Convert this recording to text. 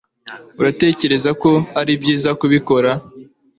uratekereza ko ari byiza kubikora